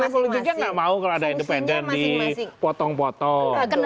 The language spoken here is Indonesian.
partai politiknya nggak mau kalau ada independen dipotong potong